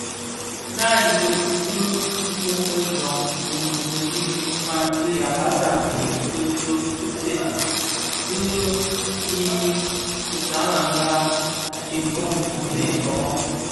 Naa i bitoki bi bon bë Zöň (Gounou, Belibi, malah) di yambassa dhi bitoki bitsem bi zi isananga: Tsingo, kombe, Ngorro,